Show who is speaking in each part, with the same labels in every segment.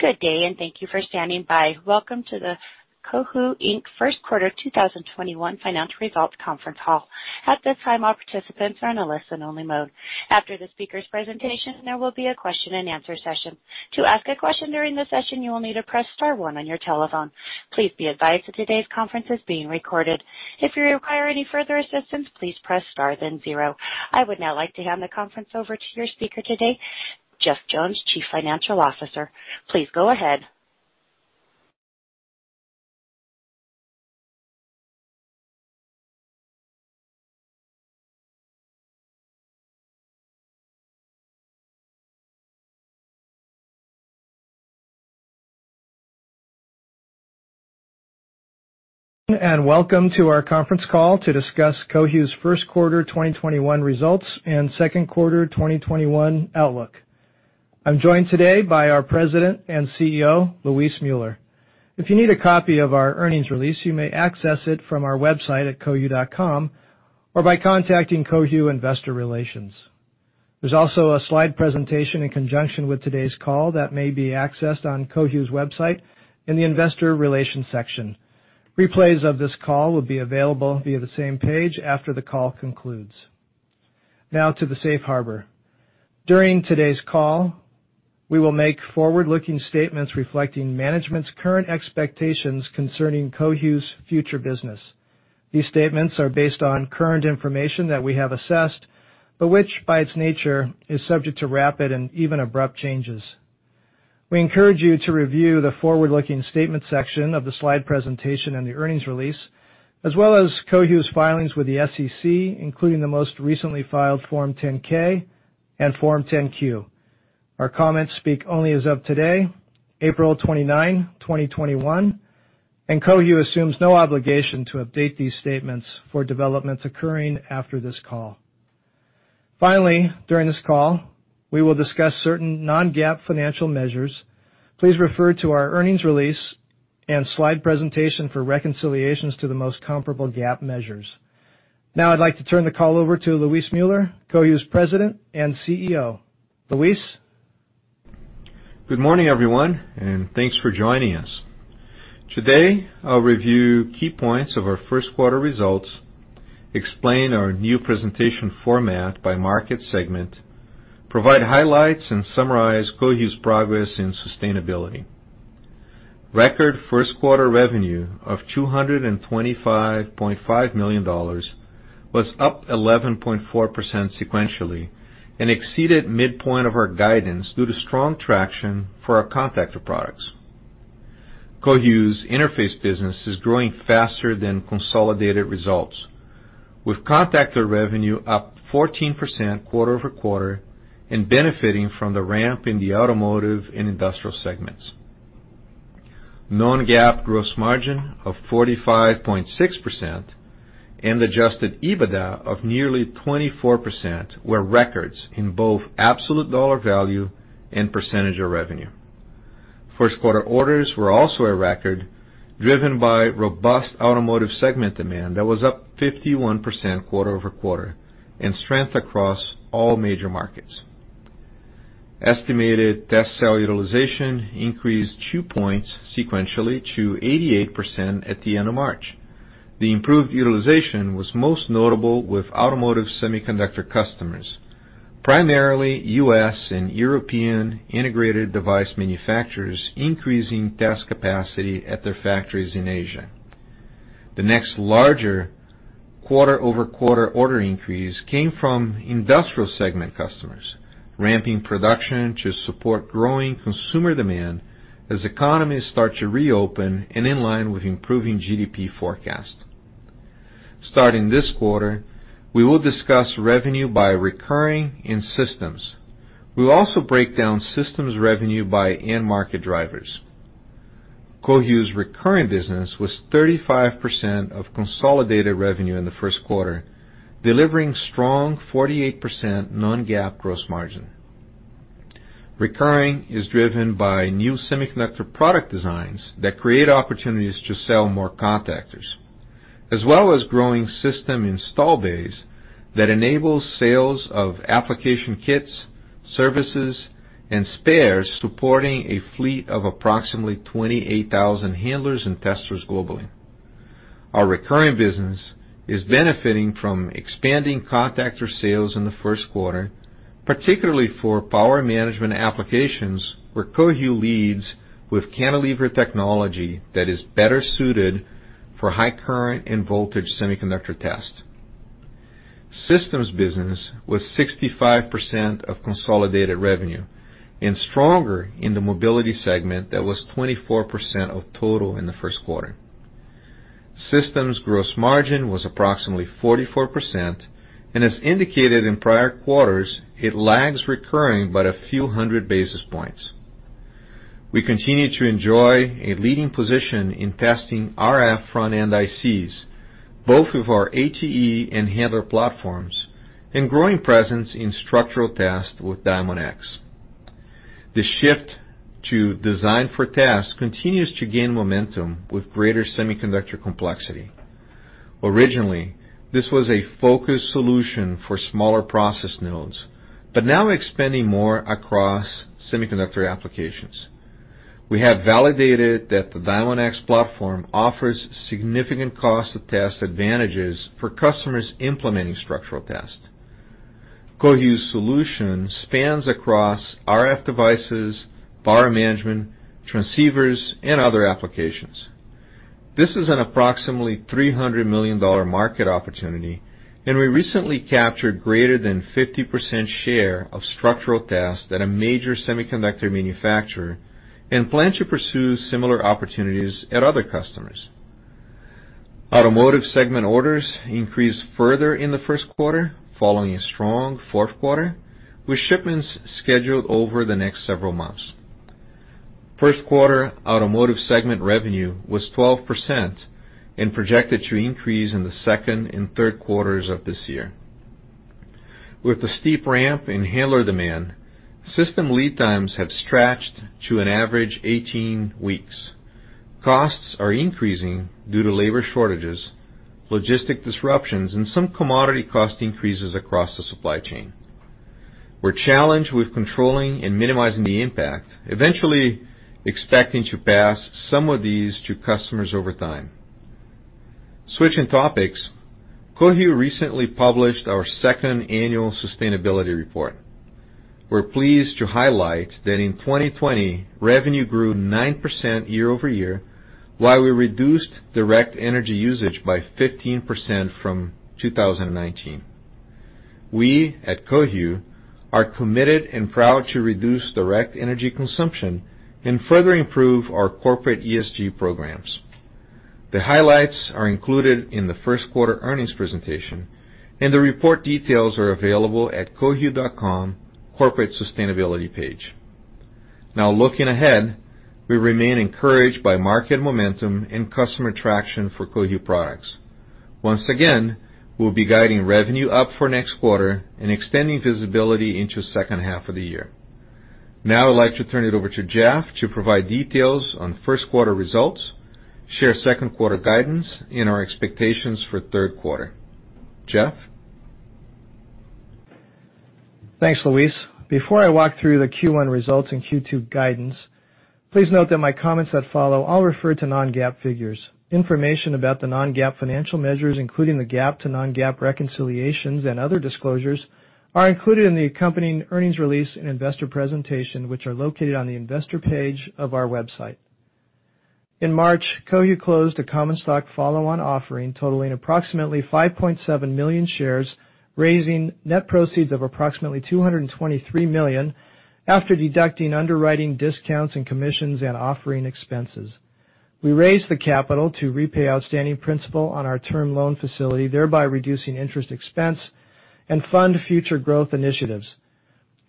Speaker 1: Good day, and thank you for standing by. Welcome to the Cohu, Inc. First Quarter 2021 Financial Results Conference Call. At this time, all participants are in a listen-only mode. After the speakers' presentation, there will be a question and answer session. To ask a question during the session, you will need to press star one on your telephone. Please be advised that today's conference is being recorded. If you require any further assistance, please press star, then zero. I would now like to hand the conference over to your speaker today, Jeff Jones, Chief Financial Officer. Please go ahead.
Speaker 2: Welcome to our conference call to discuss Cohu's first quarter 2021 results and second quarter 2021 outlook. I'm joined today by our President and CEO, Luis Müller. If you need a copy of our earnings release, you may access it from our website at cohu.com or by contacting Cohu Investor Relations. There's also a slide presentation in conjunction with today's call that may be accessed on Cohu's website in the investor relations section. Replays of this call will be available via the same page after the call concludes. Now to the safe harbor. During today's call, we will make forward-looking statements reflecting management's current expectations concerning Cohu's future business. These statements are based on current information that we have assessed, but which by its nature, is subject to rapid and even abrupt changes. We encourage you to review the forward-looking statement section of the slide presentation and the earnings release, as well as Cohu's filings with the SEC, including the most recently filed Form 10-K and Form 10-Q. Our comments speak only as of today, April 29, 2021, and Cohu assumes no obligation to update these statements for developments occurring after this call. Finally, during this call, we will discuss certain non-GAAP financial measures. Please refer to our earnings release and slide presentation for reconciliations to the most comparable GAAP measures. Now I'd like to turn the call over to Luis A. Müller, Cohu's President and CEO. Luis?
Speaker 3: Good morning, everyone, and thanks for joining us. Today, I'll review key points of our first quarter results, explain our new presentation format by market segment, provide highlights, and summarize Cohu's progress in sustainability. Record first quarter revenue of $225.5 million was up 11.4% sequentially and exceeded midpoint of our guidance due to strong traction for our contactor products. Cohu's interface business is growing faster than consolidated results, with contactor revenue up 14% quarter-over-quarter and benefiting from the ramp in the automotive and industrial segments. Non-GAAP gross margin of 45.6% and adjusted EBITDA of nearly 24% were records in both absolute dollar value and percentage of revenue. First quarter orders were also a record driven by robust automotive segment demand that was up 51% quarter-over-quarter in strength across all major markets. Estimated test cell utilization increased two points sequentially to 88% at the end of March. The improved utilization was most notable with automotive semiconductor customers, primarily U.S. and European integrated device manufacturers increasing test capacity at their factories in Asia. The next larger quarter-over-quarter order increase came from industrial segment customers, ramping production to support growing consumer demand as economies start to reopen and in line with improving GDP forecast. Starting this quarter, we will discuss revenue by recurring in systems. We will also break down systems revenue by end market drivers. Cohu's recurring business was 35% of consolidated revenue in the first quarter, delivering strong 48% non-GAAP gross margin. Recurring is driven by new semiconductor product designs that create opportunities to sell more contactors, as well as growing system install base that enables sales of application kits, services, and spares supporting a fleet of approximately 28,000 handlers and testers globally. Our recurring business is benefiting from expanding contactor sales in the first quarter, particularly for power management applications where Cohu leads with cantilever technology that is better suited for high current and voltage semiconductor tests. Systems business was 65% of consolidated revenue and stronger in the mobility segment that was 24% of total in the first quarter. Systems gross margin was approximately 44%, and as indicated in prior quarters, it lags recurring by a few hundred basis points. We continue to enjoy a leading position in testing RF front-end ICs, both with our ATE and handler platforms, and growing presence in structural test with Diamondx. The shift to design for test continues to gain momentum with greater semiconductor complexity. Originally, this was a focus solution for smaller process nodes, but now expanding more across semiconductor applications. We have validated that the Diamondx platform offers significant cost of test advantages for customers implementing structural test. Cohu's solution spans across RF devices, power management, transceivers, and other applications. This is an approximately $300 million market opportunity, and we recently captured greater than 50% share of structural test at a major semiconductor manufacturer, and plan to pursue similar opportunities at other customers. Automotive segment orders increased further in the first quarter, following a strong fourth quarter, with shipments scheduled over the next several months. First quarter automotive segment revenue was 12% and projected to increase in the second and third quarters of this year. With the steep ramp in handler demand, system lead times have stretched to an average 18 weeks. Costs are increasing due to labor shortages, logistic disruptions, and some commodity cost increases across the supply chain. We're challenged with controlling and minimizing the impact, eventually expecting to pass some of these to customers over time. Switching topics, Cohu recently published our second annual sustainability report. We're pleased to highlight that in 2020, revenue grew 9% year-over-year, while we reduced direct energy usage by 15% from 2019. We at Cohu are committed and proud to reduce direct energy consumption and further improve our corporate ESG programs. The highlights are included in the first quarter earnings presentation, and the report details are available at cohu.com corporate sustainability page. Now looking ahead, we remain encouraged by market momentum and customer traction for Cohu products. Once again, we'll be guiding revenue up for next quarter and extending visibility into second half of the year. Now I'd like to turn it over to Jeff to provide details on first quarter results, share second quarter guidance, and our expectations for third quarter. Jeff?
Speaker 2: Thanks, Luis. Before I walk through the Q1 results and Q2 guidance, please note that my comments that follow all refer to non-GAAP figures. Information about the non-GAAP financial measures, including the GAAP to non-GAAP reconciliations and other disclosures, are included in the accompanying earnings release and investor presentation, which are located on the investor page of our website. In March, Cohu closed a common stock follow-on offering totaling approximately 5.7 million shares, raising net proceeds of approximately $223 million after deducting underwriting discounts and commissions and offering expenses. We raised the capital to repay outstanding principal on our term loan facility, thereby reducing interest expense. Fund future growth initiatives.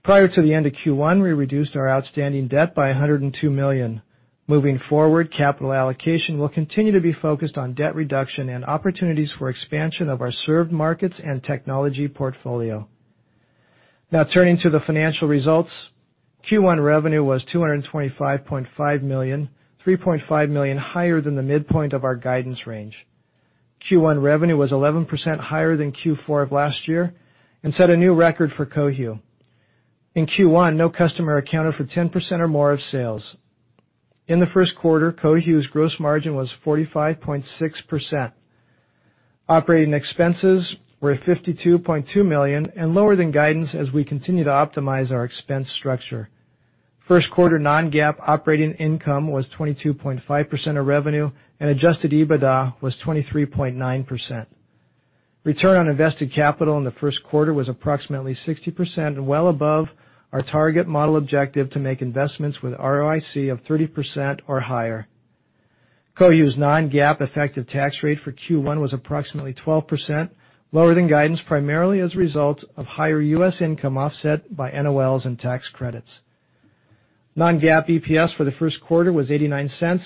Speaker 2: Prior to the end of Q1, we reduced our outstanding debt by $102 million. Moving forward, capital allocation will continue to be focused on debt reduction and opportunities for expansion of our served markets and technology portfolio. Now turning to the financial results. Q1 revenue was $225.5 million, $3.5 million higher than the midpoint of our guidance range. Q1 revenue was 11% higher than Q4 of last year and set a new record for Cohu. In Q1, no customer accounted for 10% or more of sales. In the first quarter, Cohu's gross margin was 45.6%. Operating expenses were $52.2 million and lower than guidance as we continue to optimize our expense structure. First quarter non-GAAP operating income was 22.5% of revenue, and adjusted EBITDA was 23.9%. Return on invested capital in the first quarter was approximately 60%, well above our target model objective to make investments with ROIC of 30% or higher. Cohu's non-GAAP effective tax rate for Q1 was approximately 12%, lower than guidance, primarily as a result of higher U.S. income offset by NOLs and tax credits. non-GAAP EPS for the first quarter was $0.89, and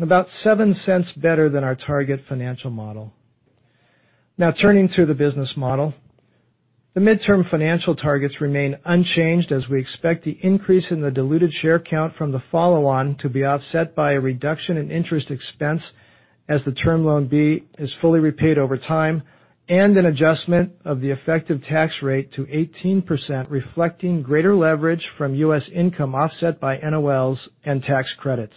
Speaker 2: about $0.07 better than our target financial model. Turning to the business model. The midterm financial targets remain unchanged as we expect the increase in the diluted share count from the follow-on to be offset by a reduction in interest expense as the Term Loan B is fully repaid over time, and an adjustment of the effective tax rate to 18%, reflecting greater leverage from US income offset by NOLs and tax credits.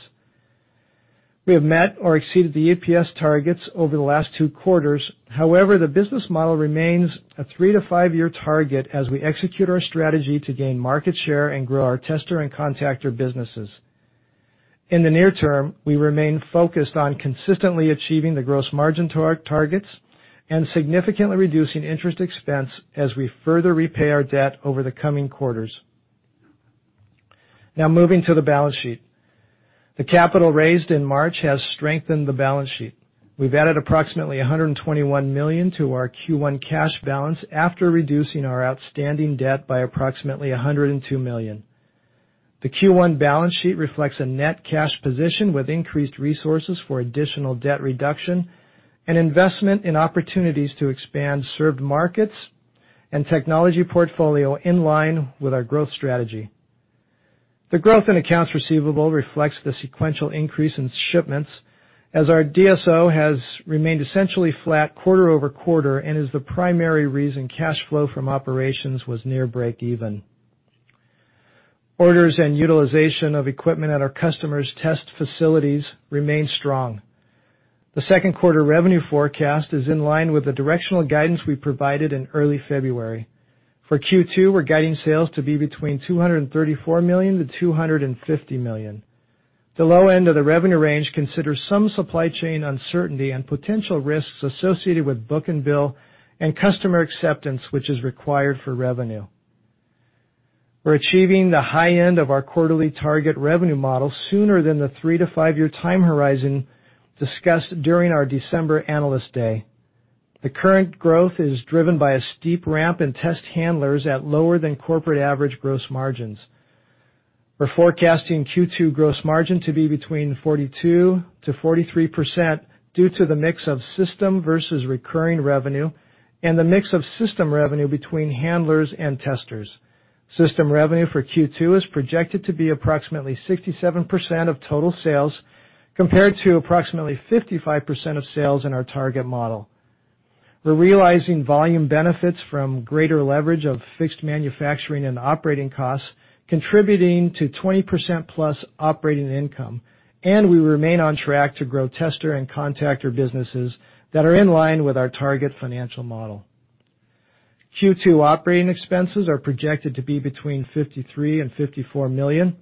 Speaker 2: We have met or exceeded the EPS targets over the last two quarters. However, the business model remains a three to five-year target as we execute our strategy to gain market share and grow our tester and contactor businesses. In the near term, we remain focused on consistently achieving the gross margin targets and significantly reducing interest expense as we further repay our debt over the coming quarters. Moving to the balance sheet. The capital raised in March has strengthened the balance sheet. We've added approximately $121 million to our Q1 cash balance after reducing our outstanding debt by approximately $102 million. The Q1 balance sheet reflects a net cash position with increased resources for additional debt reduction and investment in opportunities to expand served markets and technology portfolio in line with our growth strategy. The growth in accounts receivable reflects the sequential increase in shipments as our DSO has remained essentially flat quarter-over-quarter and is the primary reason cash flow from operations was near break even. Orders and utilization of equipment at our customers' test facilities remain strong. The second quarter revenue forecast is in line with the directional guidance we provided in early February. For Q2, we're guiding sales to be between $234 million-$250 million. The low end of the revenue range considers some supply chain uncertainty and potential risks associated with book and bill and customer acceptance, which is required for revenue. We're achieving the high end of our quarterly target revenue model sooner than the three to five-year time horizon discussed during our December Analyst Day. The current growth is driven by a steep ramp in test handlers at lower than corporate average gross margins. We're forecasting Q2 gross margin to be between 42%-43% due to the mix of system versus recurring revenue, and the mix of system revenue between handlers and testers. System revenue for Q2 is projected to be approximately 67% of total sales, compared to approximately 55% of sales in our target model. We're realizing volume benefits from greater leverage of fixed manufacturing and operating costs, contributing to 20%+ operating income, and we remain on track to grow tester and contactor businesses that are in line with our target financial model. Q2 operating expenses are projected to be between $53 million and $54 million.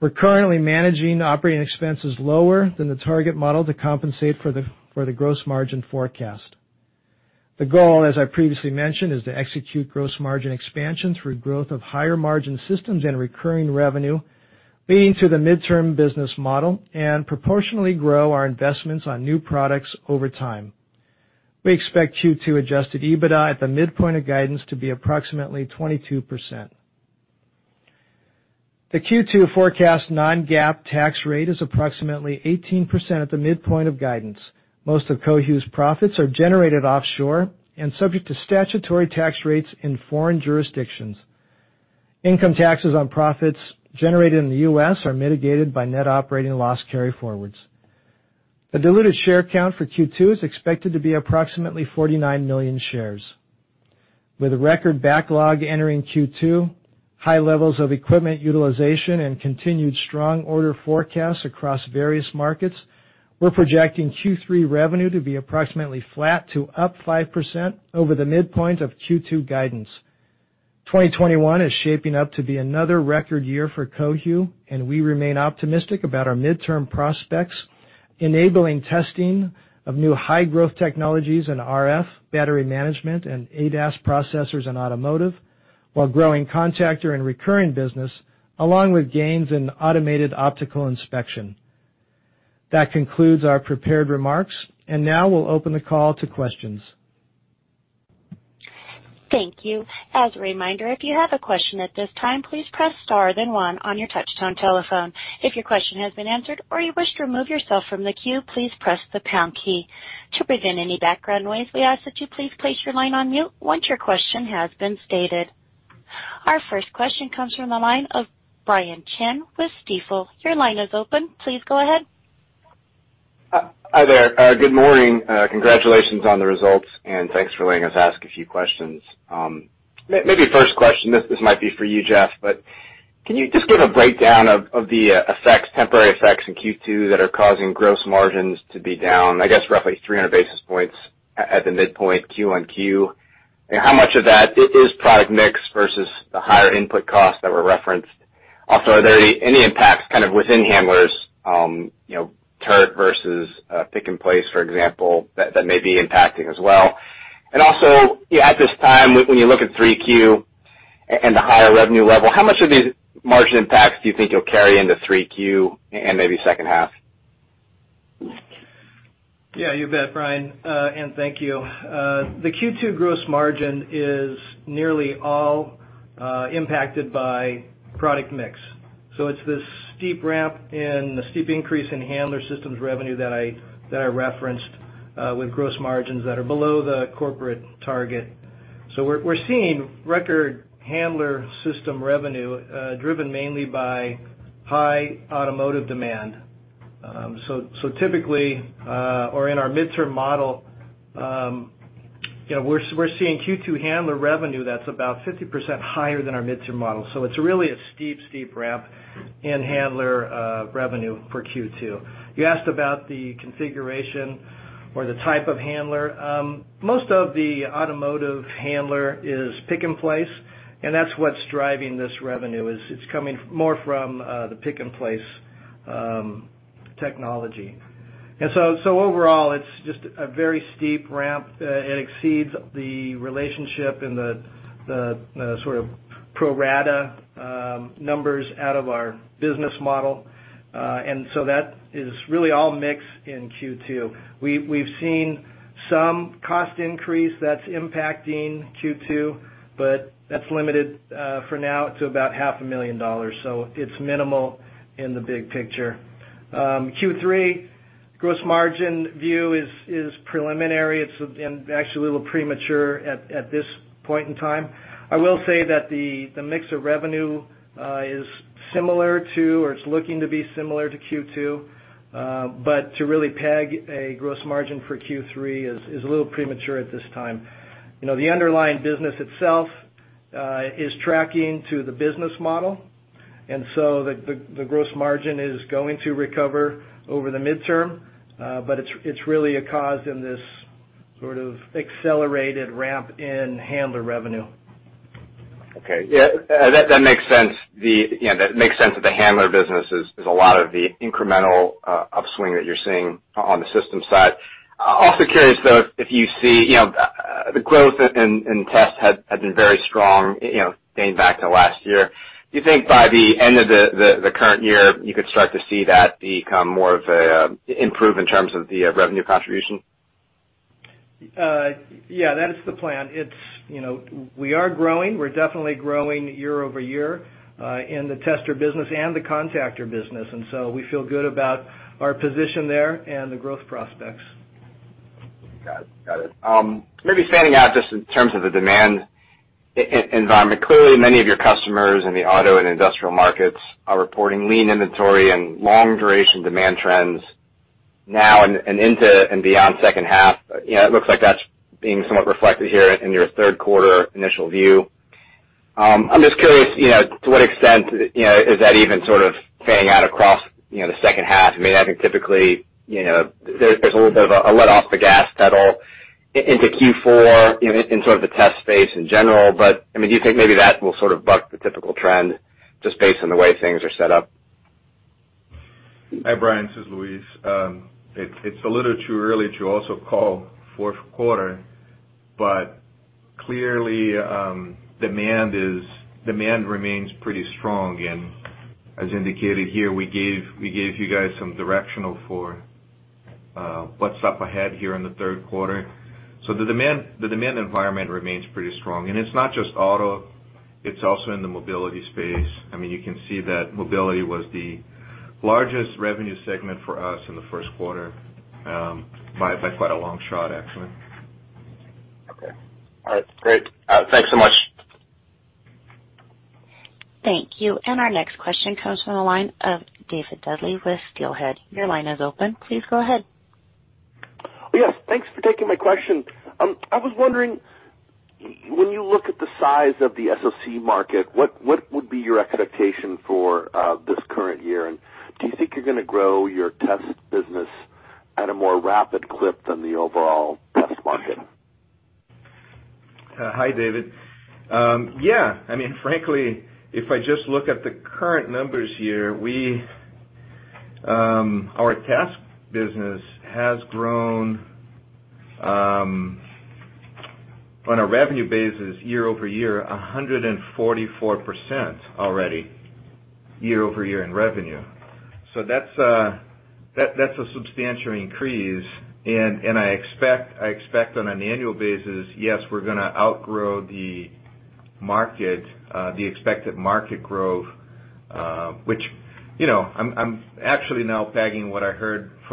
Speaker 2: We're currently managing operating expenses lower than the target model to compensate for the gross margin forecast. The goal, as I previously mentioned, is to execute gross margin expansion through growth of higher margin systems and recurring revenue, leading to the midterm business model, and proportionally grow our investments on new products over time. We expect Q2 adjusted EBITDA at the midpoint of guidance to be approximately 22%. The Q2 forecast non-GAAP tax rate is approximately 18% at the midpoint of guidance. Most of Cohu's profits are generated offshore and subject to statutory tax rates in foreign jurisdictions. Income taxes on profits generated in the U.S. are mitigated by net operating loss carryforwards. The diluted share count for Q2 is expected to be approximately 49 million shares. With a record backlog entering Q2, high levels of equipment utilization, and continued strong order forecasts across various markets, we're projecting Q3 revenue to be approximately flat to up 5% over the midpoint of Q2 guidance. 2021 is shaping up to be another record year for Cohu, and we remain optimistic about our midterm prospects, enabling testing of new high-growth technologies and RF, battery management, and ADAS processors in automotive, while growing contactor and recurring business, along with gains in automated optical inspection. That concludes our prepared remarks, and now we'll open the call to questions.
Speaker 1: Thank you. As a reminder if you have a question at this time please press star then one on your touchtone telephone. If your question has been answered or you wish to remove yourself from the queue, please press the pound key. To prevent any background noise, we ask that you please place your line on mute once your question has been stated. Our first question comes from the line of Brian Chin with Stifel. Your line is open. Please go ahead.
Speaker 4: Hi there. Good morning. Congratulations on the results, and thanks for letting us ask a few questions. Maybe first question, this might be for you, Jeff, but can you just give a breakdown of the temporary effects in Q2 that are causing gross margins to be down, I guess, roughly 300 basis points at the midpoint Q-on-Q? How much of that is product mix versus the higher input costs that were referenced? Also, are there any impacts kind of within handlers, turret versus pick-and-place, for example, that may be impacting as well? Also, at this time, when you look at 3Q and the higher revenue level, how much of these margin impacts do you think you'll carry into 3Q and maybe second half?
Speaker 2: Yeah, you bet, Brian, and thank you. The Q2 gross margin is nearly all impacted by product mix. It's this steep ramp and the steep increase in handler systems revenue that I referenced, with gross margins that are below the corporate target. We're seeing record handler system revenue driven mainly by high automotive demand. Typically, or in our midterm model, we're seeing Q2 handler revenue that's about 50% higher than our midterm model. It's really a steep ramp in handler revenue for Q2. You asked about the configuration or the type of handler. Most of the automotive handler is pick-and-place, and that's what's driving this revenue, is it's coming more from the pick-and-place technology. Overall, it's just a very steep ramp. It exceeds the relationship and the sort of pro rata numbers out of our business model. That is really all mix in Q2. We've seen some cost increase that's impacting Q2, but that's limited for now to about half a million dollars, so it's minimal in the big picture. Q3 Gross margin view is preliminary. It's actually a little premature at this point in time. I will say that the mix of revenue is similar to, or it's looking to be similar to Q2. To really peg a gross margin for Q3 is a little premature at this time. The underlying business itself is tracking to the business model, and so the gross margin is going to recover over the midterm, but it's really a cause in this sort of accelerated ramp in handler revenue.
Speaker 4: Okay. Yeah, that makes sense. That makes sense that the handler business is a lot of the incremental upswing that you're seeing on the system side. Curious, though, if you see the growth in tests had been very strong dating back to last year. Do you think by the end of the current year, you could start to see that become more of an improve in terms of the revenue contribution?
Speaker 2: Yeah, that is the plan. We are growing. We're definitely growing year-over-year, in the tester business and the contactor business, and so we feel good about our position there and the growth prospects.
Speaker 4: Got it. Maybe fanning out, just in terms of the demand environment. Clearly, many of your customers in the auto and industrial markets are reporting lean inventory and long-duration demand trends now and into and beyond second half. It looks like that's being somewhat reflected here in your third quarter initial view. I'm just curious, to what extent is that even sort of panning out across the second half? I mean, I think typically, there's a little bit of a let-off the gas pedal into Q4 in sort of the test space in general, but, do you think maybe that will sort of buck the typical trend just based on the way things are set up?
Speaker 3: Hi, Brian. This is Luis. It's a little too early to also call fourth quarter, but clearly demand remains pretty strong. As indicated here, we gave you guys some directional for what's up ahead here in the third quarter. The demand environment remains pretty strong. It's not just auto, it's also in the mobility space. You can see that mobility was the largest revenue segment for us in the first quarter, by quite a long shot, actually.
Speaker 4: Okay. All right, great. Thanks so much.
Speaker 1: Thank you. Our next question comes from the line of David Dooley with Steelhead Securities. Your line is open. Please go ahead.
Speaker 5: Yes, thanks for taking my question. I was wondering, when you look at the size of the SOC market, what would be your expectation for this current year? Do you think you're going to grow your test business at a more rapid clip than the overall test market?
Speaker 3: Hi, David. Yeah. Frankly, if I just look at the current numbers here, our test business has grown on a revenue basis year-over-year, 144% already year-over-year in revenue. That's a substantial increase, and I expect on an annual basis, yes, we're going to outgrow the expected market growth. Which I'm actually now pegging what I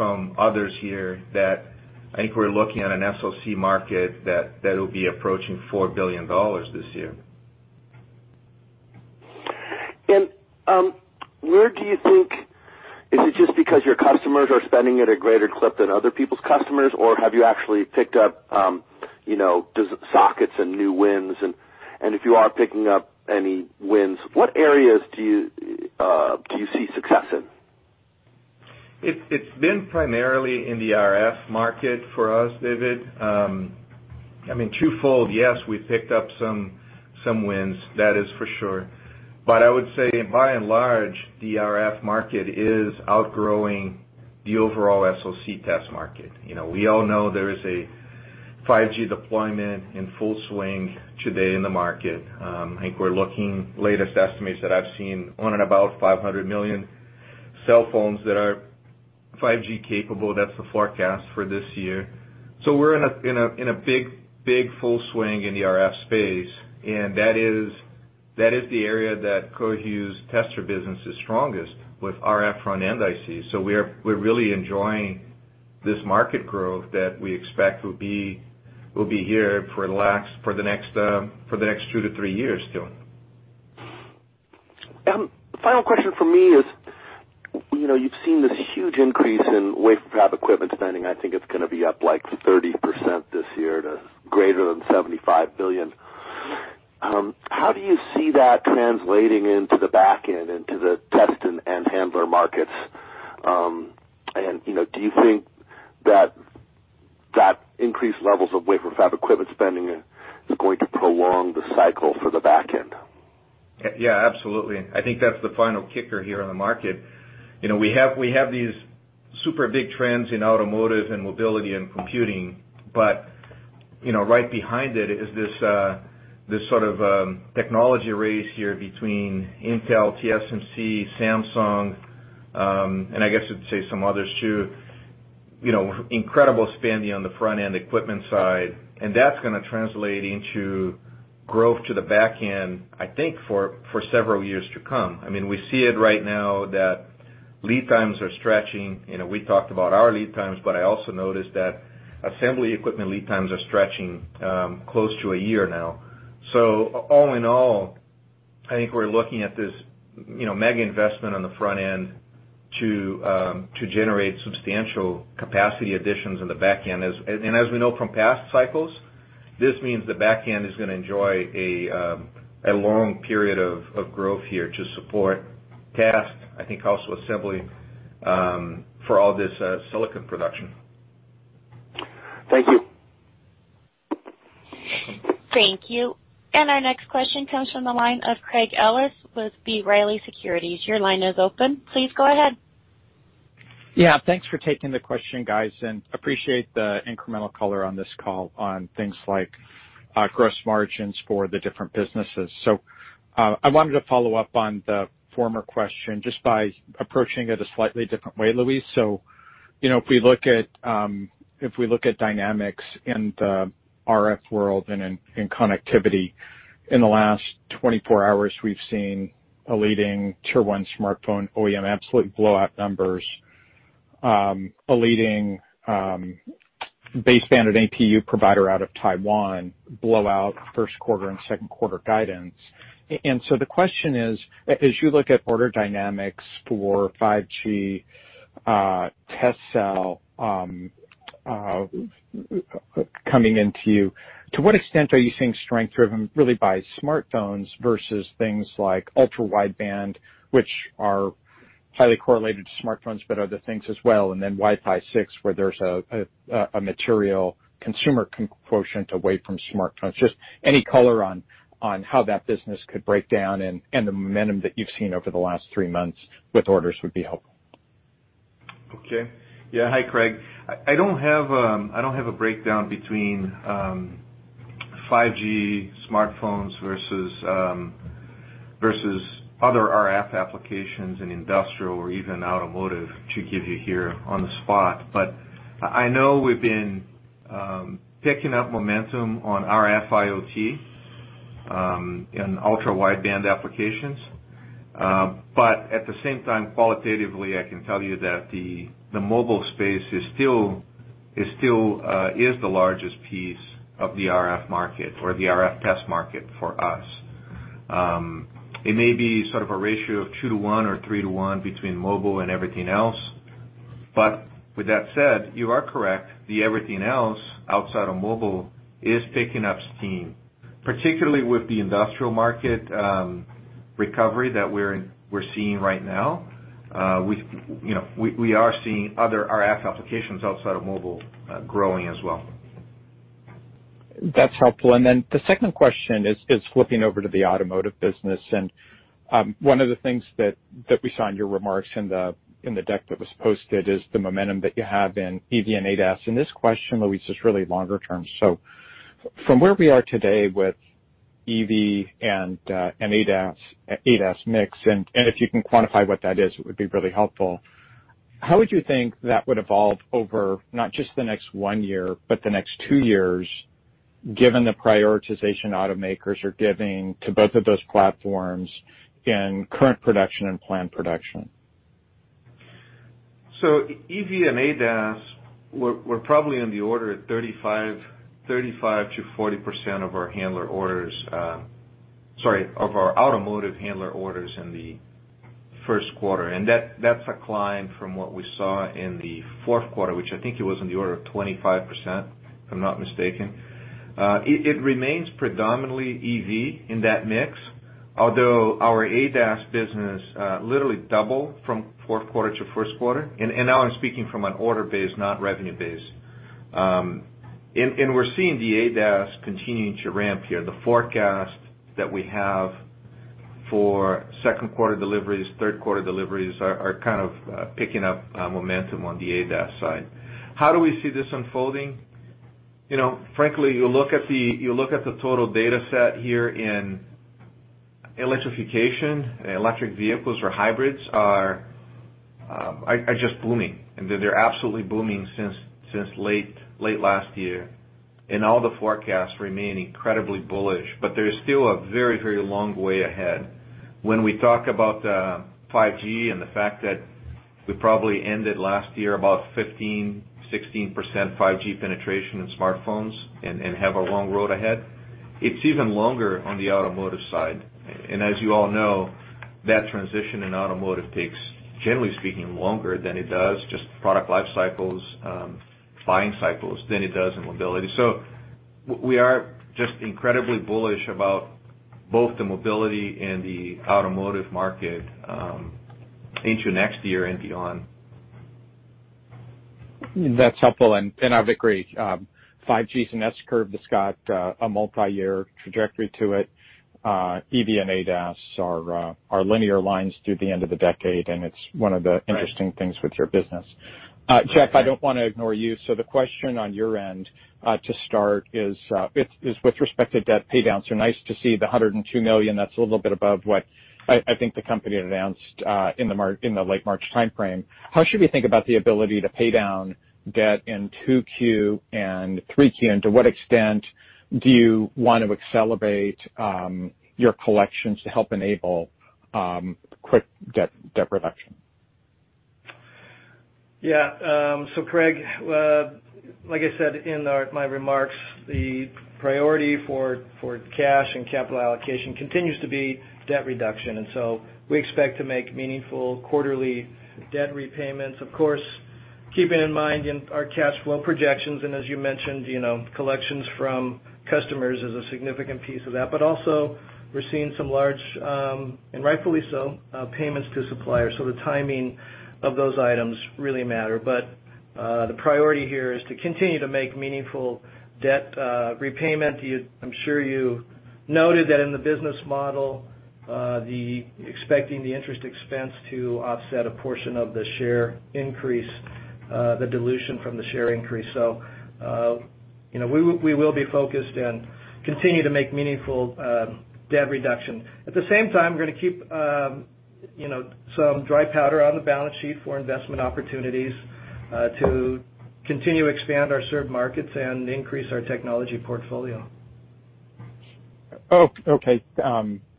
Speaker 3: heard from others here that I think we're looking at an SOC market that will be approaching $4 billion this year.
Speaker 5: Where do you think, is it just because your customers are spending at a greater clip than other people's customers, or have you actually picked up sockets and new wins? If you are picking up any wins, what areas do you see success in?
Speaker 3: It's been primarily in the RF market for us, David Dooley. I mean, twofold, yes, we picked up some wins, that is for sure. I would say by and large, the RF market is outgrowing the overall SOC test market. We all know there is a 5G deployment in full swing today in the market. I think we're looking at latest estimates that I've seen on and about 500 million cell phones that are 5G capable. That's the forecast for this year. We're in a big, full swing in the RF space, and that is the area that Cohu's tester business is strongest with RF front-end ICs. We're really enjoying this market growth that we expect will be here for the next two to three years, too.
Speaker 5: Final question from me is, you've seen this huge increase in wafer fab equipment spending. I think it's going to be up like 30% this year to greater than $75 billion. How do you see that translating into the back end, into the test and handler markets? Do you think that increased levels of wafer fab equipment spending is going to prolong the cycle for the back end?
Speaker 3: Yeah, absolutely. I think that's the final kicker here in the market. We have these super big trends in automotive and mobility and computing. Right behind it is this sort of technology race here between Intel, TSMC, Samsung, and I guess you'd say some others, too. Incredible spending on the front-end equipment side. That's going to translate into Growth to the back end, I think for several years to come. We see it right now that lead times are stretching. I also noticed that assembly equipment lead times are stretching close to one year now. All in all, I think we're looking at this mega investment on the front end to generate substantial capacity additions on the back end. As we know from past cycles, this means the back end is going to enjoy a long period of growth here to support test, I think also assembly, for all this silicon production.
Speaker 5: Thank you.
Speaker 1: Thank you. Our next question comes from the line of Craig Ellis with B. Riley Securities. Your line is open. Please go ahead.
Speaker 6: Yeah. Thanks for taking the question, guys, and appreciate the incremental color on this call on things like gross margins for the different businesses. I wanted to follow up on the former question just by approaching it a slightly different way, Luis. If we look at dynamics in the RF world and in connectivity, in the last 24 hours, we've seen a leading tier 1 smartphone OEM absolutely blow out numbers, a leading baseband and AP provider out of Taiwan blow out first quarter and second quarter guidance. The question is: as you look at order dynamics for 5G test cell coming into you, to what extent are you seeing strength driven really by smartphones versus things like ultra-wideband, which are highly correlated to smartphones, but other things as well, and then Wi-Fi 6, where there's a material consumer quotient away from smartphones? Any color on how that business could break down and the momentum that you've seen over the last three months with orders would be helpful.
Speaker 3: Okay. Yeah. Hi, Craig. I don't have a breakdown between 5G smartphones versus other RF applications in industrial or even automotive to give you here on the spot. I know we've been picking up momentum on RF IoT in ultra-wideband applications. At the same time, qualitatively, I can tell you that the mobile space is the largest piece of the RF market or the RF test market for us. It may be sort of a ratio of 2:1 or 3:1 between mobile and everything else. With that said, you are correct, the everything else outside of mobile is picking up steam, particularly with the industrial market recovery that we're seeing right now. We are seeing other RF applications outside of mobile growing as well.
Speaker 6: That's helpful. The second question is flipping over to the automotive business. One of the things that we saw in your remarks in the deck that was posted is the momentum that you have in EV and ADAS. This question, Luis, is really longer term. From where we are today with EV and ADAS mix, and if you can quantify what that is, it would be really helpful, how would you think that would evolve over not just the next one year, but the next two years, given the prioritization automakers are giving to both of those platforms in current production and planned production?
Speaker 3: EV and ADAS were probably in the order of 35%-40% of our automotive handler orders in the first quarter, and that's a climb from what we saw in the fourth quarter, which I think it was in the order of 25%, if I'm not mistaken. It remains predominantly EV in that mix, although our ADAS business literally doubled from fourth quarter to first quarter. Now I'm speaking from an order base, not revenue base. We're seeing the ADAS continuing to ramp here. The forecast that we have for second quarter deliveries, third quarter deliveries, are kind of picking up momentum on the ADAS side. How do we see this unfolding? Frankly, you look at the total data set here in electrification, electric vehicles or hybrids are just booming, and they're absolutely booming since late last year. All the forecasts remain incredibly bullish. There's still a very long way ahead. When we talk about 5G and the fact that we probably ended last year about 15%, 16% 5G penetration in smartphones and have a long road ahead, it's even longer on the automotive side. As you all know, that transition in automotive takes, generally speaking, longer than it does, just product life cycles, buying cycles, than it does in mobility. We are just incredibly bullish about both the mobility and the automotive market into next year and beyond.
Speaker 6: That's helpful. I would agree. 5G is an S-curve that's got a multi-year trajectory to it. EV and ADAS are linear lines through the end of the decade. It's one of the interesting things with your business. Jeff, I don't want to ignore you. The question on your end to start is with respect to debt pay downs. Nice to see the $102 million. That's a little bit above what I think the company had announced in the late March timeframe. How should we think about the ability to pay down debt in 2Q and 3Q, and to what extent do you want to accelerate your collections to help enable quick debt reduction?
Speaker 2: Yeah. Craig, like I said in my remarks, the priority for cash and capital allocation continues to be debt reduction. We expect to make meaningful quarterly debt repayments. Of course, keeping in mind our cash flow projections, and as you mentioned, collections from customers is a significant piece of that. Also we're seeing some large, and rightfully so, payments to suppliers. The timing of those items really matter. The priority here is to continue to make meaningful debt repayment. I'm sure you noted that in the business model, expecting the interest expense to offset a portion of the share increase, the dilution from the share increase. We will be focused and continue to make meaningful debt reduction. At the same time, we're going to keep some dry powder on the balance sheet for investment opportunities to continue to expand our served markets and increase our technology portfolio.
Speaker 6: Oh, okay.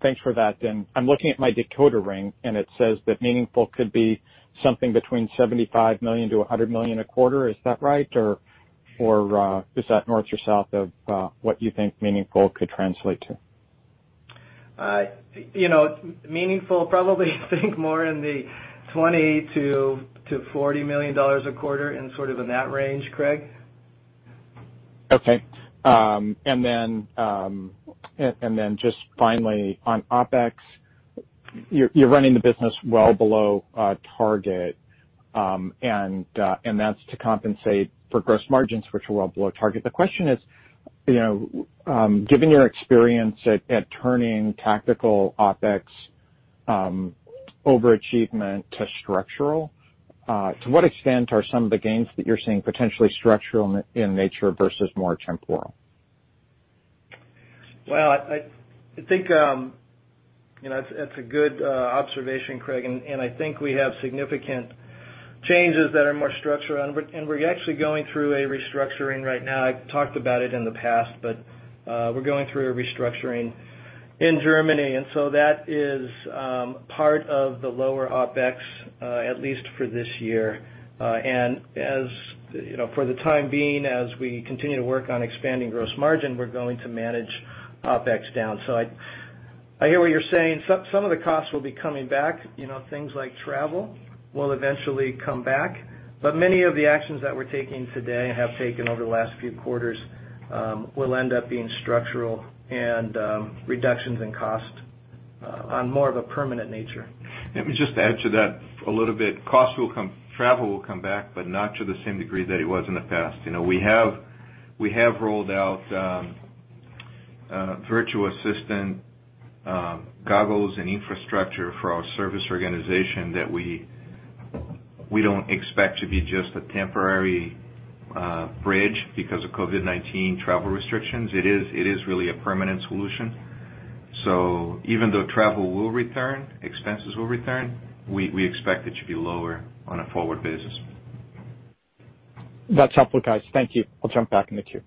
Speaker 6: Thanks for that, then. I'm looking at my decoder ring, and it says that meaningful could be something between $75 million-$100 million a quarter. Is that right? Is that north or south of what you think meaningful could translate to?
Speaker 2: Meaningful, probably think more in the $20 million-$40 million a quarter in sort of in that range, Craig.
Speaker 6: Okay. Just finally on OpEx, you're running the business well below target, and that's to compensate for gross margins, which are well below target. The question is, given your experience at turning tactical OpEx overachievement to structural, to what extent are some of the gains that you're seeing potentially structural in nature versus more temporal?
Speaker 2: Well, I think that's a good observation, Craig, and I think we have significant changes that are more structural. We're actually going through a restructuring right now. I've talked about it in the past, we're going through a restructuring in Germany, and so that is part of the lower OpEx, at least for this year. For the time being, as we continue to work on expanding gross margin, we're going to manage OpEx down. I hear what you're saying. Some of the costs will be coming back. Things like travel will eventually come back. Many of the actions that we're taking today and have taken over the last few quarters, will end up being structural and reductions in cost on more of a permanent nature.
Speaker 3: Let me just add to that a little bit. Travel will come back, but not to the same degree that it was in the past. We have rolled out virtual assistant goggles and infrastructure for our service organization that we don't expect to be just a temporary bridge because of COVID-19 travel restrictions. It is really a permanent solution. Even though travel will return, expenses will return, we expect it to be lower on a forward basis.
Speaker 6: That's helpful, guys. Thank you. I'll jump back in the queue.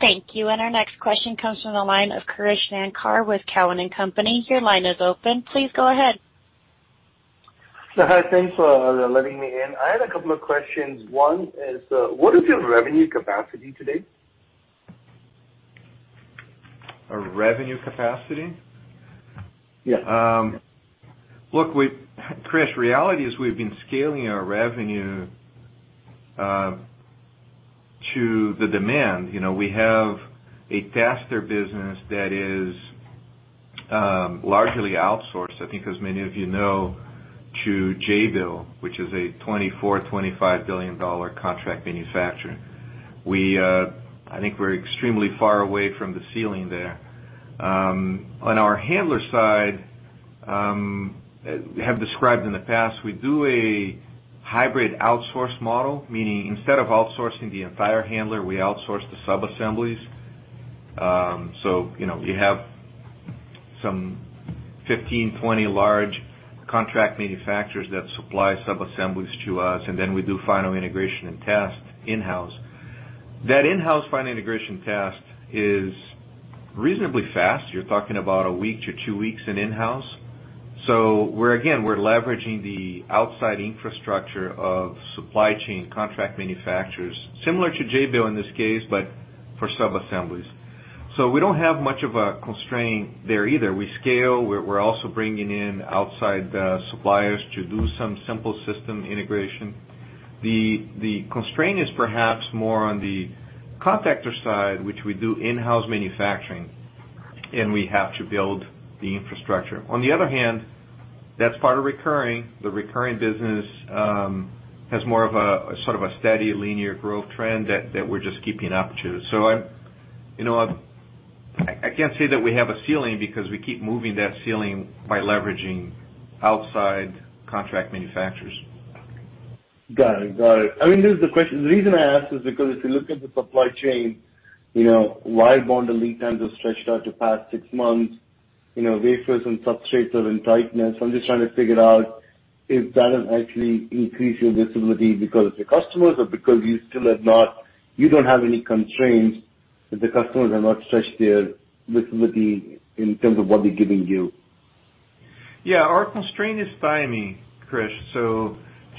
Speaker 1: Thank you. Our next question comes from the line of Krish Sankar with TD Cowen. Your line is open. Please go ahead.
Speaker 7: Hi, thanks for letting me in. I had a couple of questions. One is, what is your revenue capacity today?
Speaker 3: Our revenue capacity?
Speaker 7: Yeah.
Speaker 3: Look, Krish, reality is we've been scaling our revenue to the demand. We have a tester business that is largely outsourced, I think as many of you know, to Jabil, which is a $24 billion, $25 billion contract manufacturer. I think we're extremely far away from the ceiling there. On our handler side, we have described in the past, we do a hybrid outsource model, meaning instead of outsourcing the entire handler, we outsource the sub-assemblies. So you have some 15, 20 large contract manufacturers that supply sub-assemblies to us, and then we do final integration and test in-house. That in-house final integration test is reasonably fast. You're talking about one to two weeks in-house. So again, we're leveraging the outside infrastructure of supply chain contract manufacturers, similar to Jabil in this case, but for sub-assemblies. So we don't have much of a constraint there either. We scale, we're also bringing in outside suppliers to do some simple system integration. The constraint is perhaps more on the contactor side, which we do in-house manufacturing, and we have to build the infrastructure. On the other hand, that's part of recurring. The recurring business has more of a sort of a steady linear growth trend that we're just keeping up to. I can't say that we have a ceiling because we keep moving that ceiling by leveraging outside contract manufacturers.
Speaker 7: Got it. The reason I ask is because if you look at the supply chain, wire bond lead times have stretched out to past six months. Wafers and substrates are in tightness. I'm just trying to figure out. If that has actually increased your visibility because of your customers or because you don't have any constraints if the customers have not stretched their visibility in terms of what they're giving you?
Speaker 3: Yeah. Our constraint is timing, Krish.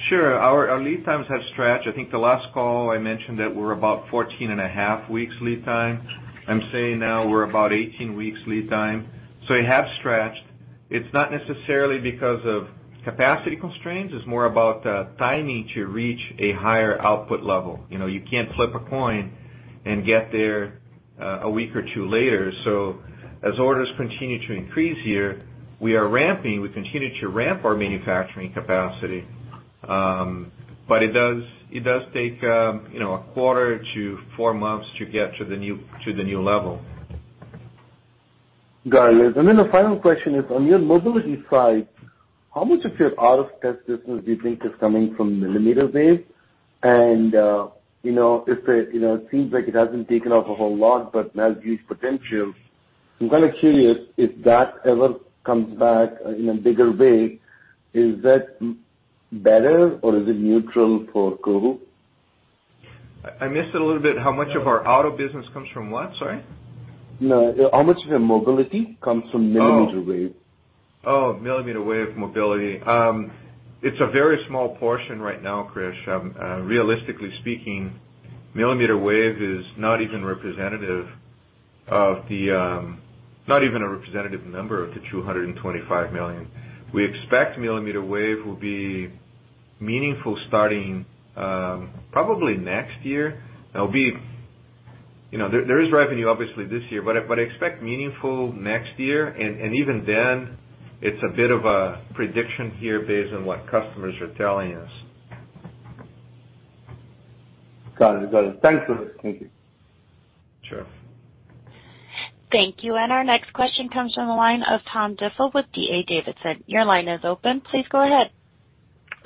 Speaker 3: Sure, our lead times have stretched. I think the last call I mentioned that we're about 14.5 weeks lead time. I'm saying now we're about 18 weeks lead time. It has stretched. It's not necessarily because of capacity constraints. It's more about the timing to reach a higher output level. You can't flip a coin and get there a week or two later. As orders continue to increase here, we are ramping. We continue to ramp our manufacturing capacity. It does take a quarter to four months to get to the new level.
Speaker 7: Got it. The final question is on your mobility side, how much of your out-of-test business do you think is coming from millimeter wave? It seems like it hasn't taken off a whole lot, but has huge potential. I'm kind of curious if that ever comes back in a bigger way, is that better or is it neutral for Cohu?
Speaker 3: I missed that a little bit. How much of our auto business comes from what? Sorry?
Speaker 7: No, how much of your mobility comes from millimeter wave?
Speaker 3: Millimeter wave mobility. It's a very small portion right now, Krish. Realistically speaking, millimeter wave is not even a representative number of the $225 million. We expect millimeter wave will be meaningful starting probably next year. There is revenue obviously this year, but I expect meaningful next year, and even then, it's a bit of a prediction here based on what customers are telling us.
Speaker 7: Got it. Thanks for that. Thank you.
Speaker 3: Sure.
Speaker 1: Thank you. Our next question comes from the line of Tom Diffely with D.A. Davidson. Your line is open. Please go ahead.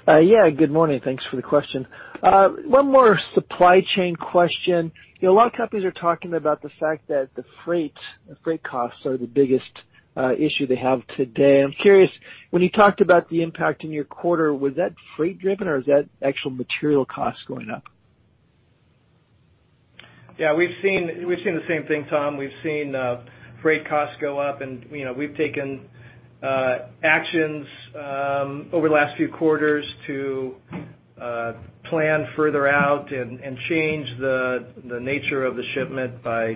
Speaker 8: Yeah, Good morning. Thanks for the question. One more supply chain question. A lot of companies are talking about the fact that the freight costs are the biggest issue they have today. I'm curious, when you talked about the impact in your quarter, was that freight driven or is that actual material costs going up?
Speaker 2: Yeah, we've seen the same thing, Tom. We've seen freight costs go up and we've taken actions over the last few quarters to plan further out and change the nature of the shipment by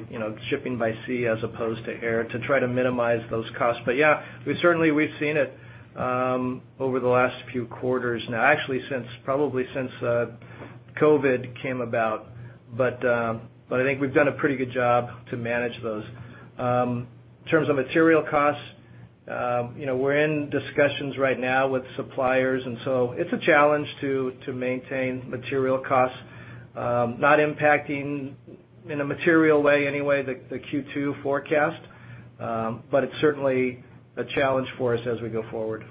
Speaker 2: shipping by sea as opposed to air to try to minimize those costs. Yeah, certainly we've seen it over the last few quarters now, actually probably since COVID came about. I think we've done a pretty good job to manage those. In terms of material costs, we're in discussions right now with suppliers, and so it's a challenge to maintain material costs, not impacting in a material way anyway the Q2 forecast. It's certainly a challenge for us as we go forward.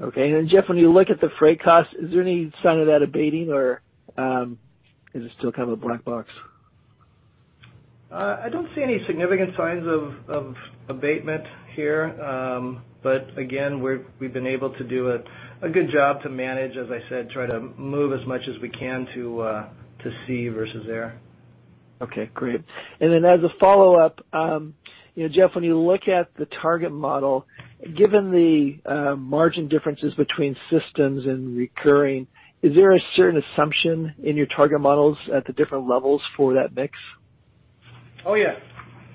Speaker 8: Okay. Jeff, when you look at the freight cost, is there any sign of that abating or is it still kind of a black box?
Speaker 2: I don't see any significant signs of abatement here. Again, we've been able to do a good job to manage, as I said, try to move as much as we can to sea versus air.
Speaker 8: Okay, great. As a follow-up, Jeff, when you look at the target model, given the margin differences between systems and recurring, is there a certain assumption in your target models at the different levels for that mix?
Speaker 2: Oh, yeah.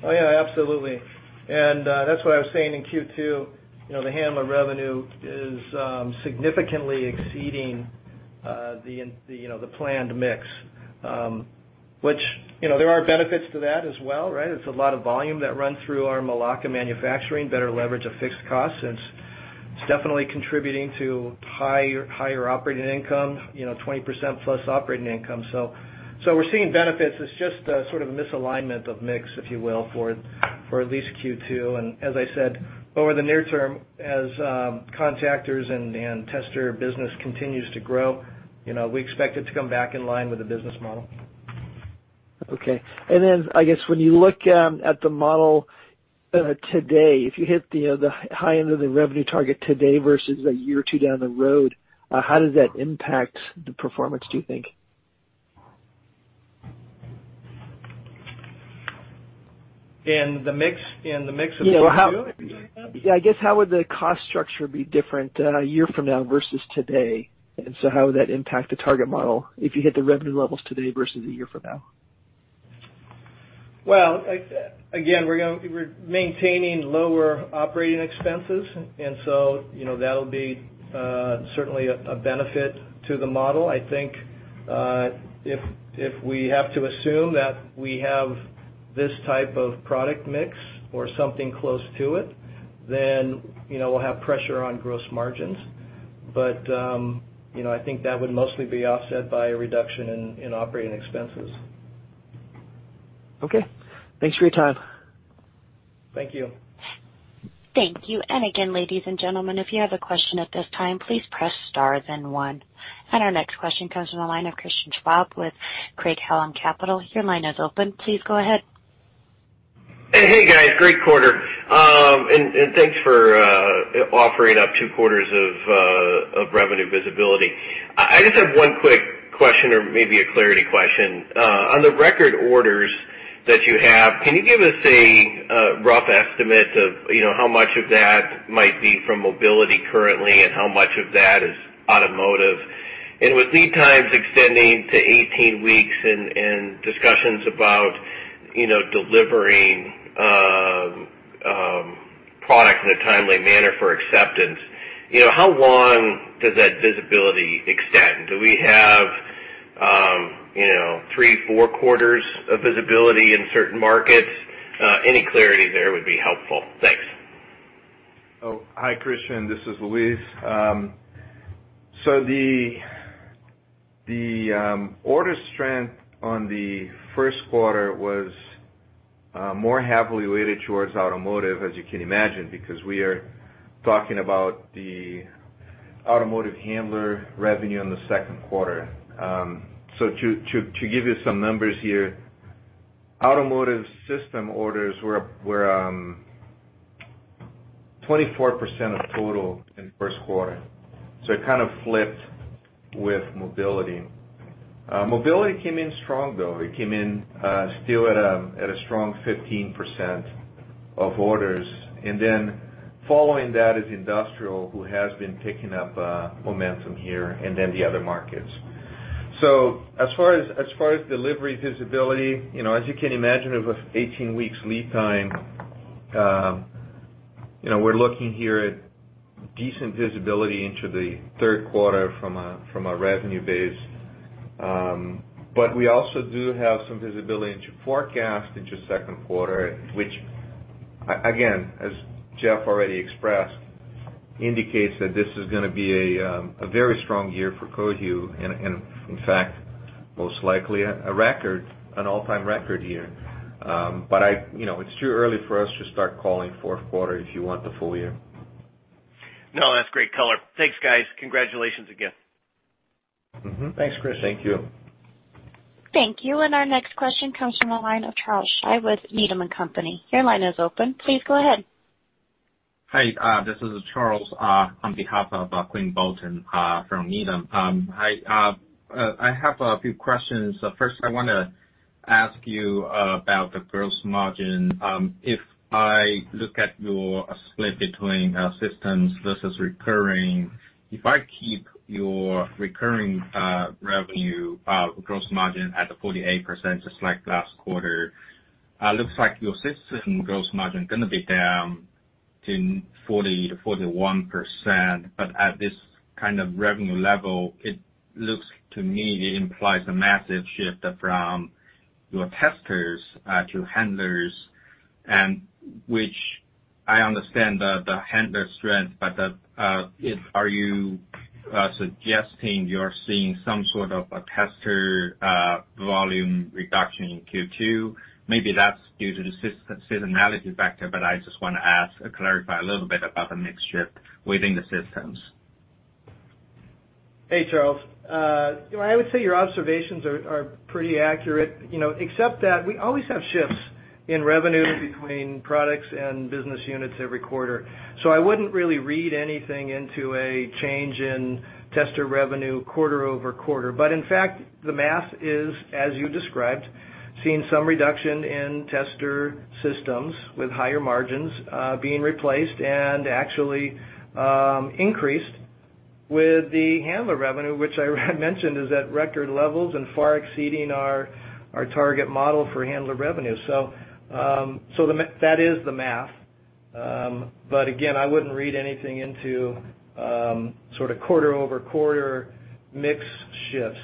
Speaker 2: Absolutely. That's what I was saying in Q2. The handler revenue is significantly exceeding the planned mix. There are benefits to that as well, right? It's a lot of volume that run through our Melaka manufacturing, better leverage of fixed costs, and it's definitely contributing to higher operating income, 20% plus operating income. We're seeing benefits. It's just a sort of misalignment of mix, if you will, for at least Q2. As I said, over the near term, as contactors and tester business continues to grow, we expect it to come back in line with the business model.
Speaker 8: Okay. I guess when you look at the model today, if you hit the high end of the revenue target today versus a year or two down the road, how does that impact the performance, do you think?
Speaker 2: In the mix of Q2, are you saying, Tom?
Speaker 8: Yeah, I guess how would the cost structure be different a year from now versus today? How would that impact the target model if you hit the revenue levels today versus a year from now?
Speaker 2: Well, again, we're maintaining lower operating expenses, and so that'll be certainly a benefit to the model. I think if we have to assume that we have this type of product mix or something close to it, then we'll have pressure on gross margins. I think that would mostly be offset by a reduction in operating expenses.
Speaker 8: Okay. Thanks for your time.
Speaker 2: Thank you.
Speaker 1: Thank you. Again, ladies and gentlemen, if you have a question at this time, please press star then one. Our next question comes from the line of Christian Schwab with Craig-Hallum Capital. Your line is open. Please go ahead.
Speaker 9: Hey, guys. Great quarter. Thanks for offering up two quarters of revenue visibility. I just have one quick question or maybe a clarity question. On the record orders that you have, can you give us a rough estimate of how much of that might be from mobility currently, and how much of that is automotive? With lead times extending to 18 weeks and discussions about delivering product in a timely manner for acceptance, how long does that visibility extend? Do we have three, four quarters of visibility in certain markets? Any clarity there would be helpful. Thanks.
Speaker 3: Hi, Christian. This is Luis. The order strength on the first quarter was more heavily weighted towards automotive, as you can imagine, because we are talking about the automotive handler revenue in the second quarter. To give you some numbers here, automotive system orders were 24% of total in the first quarter. Mobility came in strong, though. It came in still at a strong 15% of orders. Following that is industrial, who has been picking up momentum here, and then the other markets. As far as delivery visibility, as you can imagine, with 18 weeks lead time, we're looking here at decent visibility into the third quarter from a revenue base. We also do have some visibility into forecast into second quarter, which again, as Jeff already expressed, indicates that this is going to be a very strong year for Cohu, and in fact, most likely a record, an all-time record year. It's too early for us to start calling fourth quarter if you want the full year.
Speaker 9: No, that's great color. Thanks, guys. Congratulations again.
Speaker 2: Thanks, Chris.
Speaker 3: Thank you.
Speaker 1: Thank you. Our next question comes from the line of Charles Shi with Needham & Company. Your line is open. Please go ahead.
Speaker 10: Hi, this is Charles on behalf of Quinn Bolton from Needham. I have a few questions. First, I want to ask you about the gross margin. If I look at your split between systems versus recurring, if I keep your recurring revenue gross margin at 48%, just like last quarter, looks like your system gross margin going to be down to 40%-41%, but at this kind of revenue level, it looks to me it implies a massive shift from your testers to handlers, and which I understand the handler strength. Are you suggesting you're seeing some sort of a tester volume reduction in Q2? Maybe that's due to the seasonality factor, I just want to ask or clarify a little bit about the mix shift within the systems.
Speaker 2: Hey, Charles. I would say your observations are pretty accurate, except that we always have shifts in revenue between products and business units every quarter. I wouldn't really read anything into a change in tester revenue quarter-over-quarter. In fact, the math is, as you described, seeing some reduction in tester systems with higher margins being replaced and actually increased with the handler revenue, which I mentioned is at record levels and far exceeding our target model for handler revenue. That is the math. Again, I wouldn't read anything into sort of quarter-over-quarter mix shifts.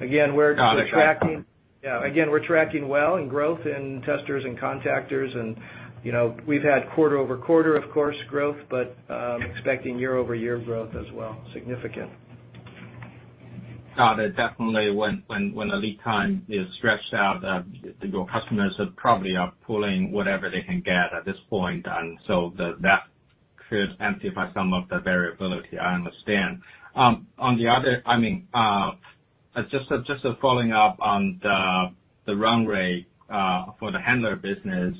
Speaker 2: Again, we're just tracking.
Speaker 10: Got it.
Speaker 2: Yeah. Again, we're tracking well in growth in testers and contactors, and we've had quarter-over-quarter, of course, growth, but expecting year-over-year growth as well, significant.
Speaker 10: Got it. Definitely when the lead time is stretched out, your customers probably are pulling whatever they can get at this point. That could amplify some of the variability, I understand. Just following up on the run rate for the handler business.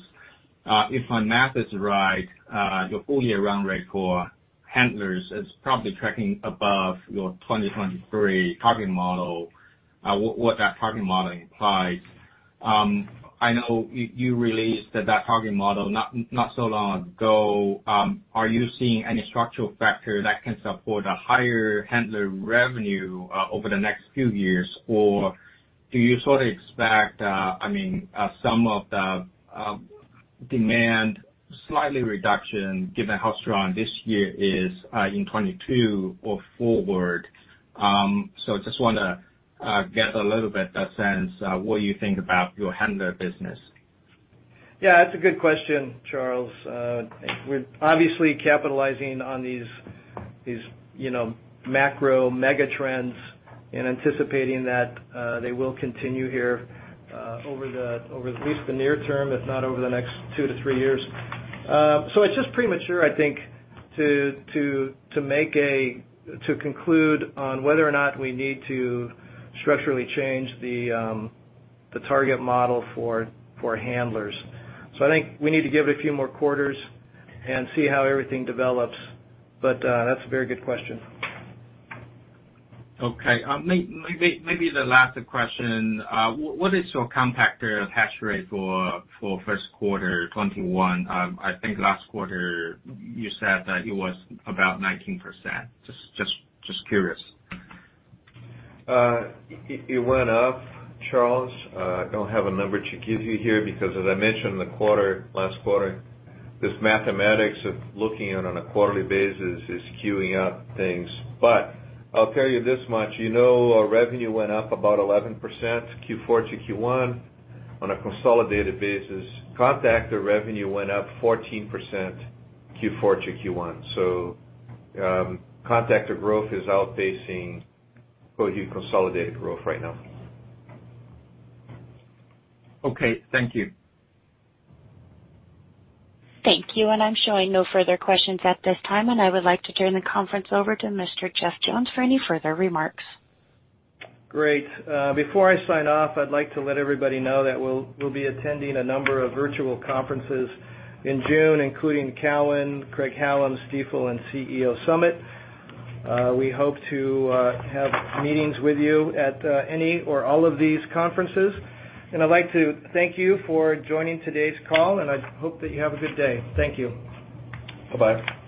Speaker 10: If my math is right, your full-year run rate for handlers is probably tracking above your 2023 target model, what that target model implies. I know you released that target model not so long ago. Are you seeing any structural factor that can support a higher handler revenue over the next few years? Do you sort of expect some of the demand slightly reduction given how strong this year is in 2022 or forward? I just want to get a little bit of sense what you think about your handler business.
Speaker 2: Yeah, that's a good question, Charles. We're obviously capitalizing on these macro mega trends and anticipating that they will continue here over at least the near term, if not over the next two to three years. It's just premature, I think, to conclude on whether or not we need to structurally change the target model for handlers. I think we need to give it a few more quarters and see how everything develops. That's a very good question.
Speaker 10: Okay. Maybe the last question. What is your contactor attach rate for first quarter 2021? I think last quarter you said that it was about 19%. Just curious.
Speaker 3: It went up, Charles. I do not have a number to give you here because as I mentioned last quarter, this mathematics of looking at it on a quarterly basis is queuing up things. I will tell you this much, you know our revenue went up about 11% Q4 to Q1 on a consolidated basis. Contactor revenue went up 14% Q4 to Q1. Contactor growth is outpacing Cohu consolidated growth right now.
Speaker 10: Okay. Thank you.
Speaker 1: Thank you. I'm showing no further questions at this time, and I would like to turn the conference over to Mr. Jeff Jones for any further remarks.
Speaker 2: Great. Before I sign off, I'd like to let everybody know that we'll be attending a number of virtual conferences in June, including Cowen, Craig-Hallum, Stifel, and CEO Summit. We hope to have meetings with you at any or all of these conferences, and I'd like to thank you for joining today's call, and I hope that you have a good day. Thank you.
Speaker 3: Bye-bye.